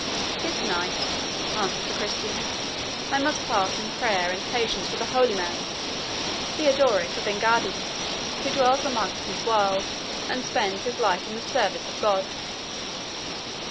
"This night," answered the Christian, "I must pass in prayer and penitence with a holy man, Theodorick of Engaddi, who dwells amongst these wilds, and spends his life in the service of God."